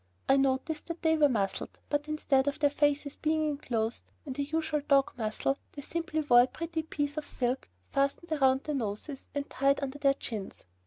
I noticed that they were muzzled, but instead of their faces being inclosed in the usual dog muzzle, they simply wore a pretty piece of silk fastened round their noses and tied under their chins.